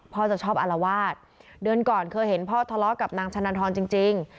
จะชอบอารวาสเดือนก่อนเคยเห็นพ่อทะเลาะกับนางชะนันทรจริง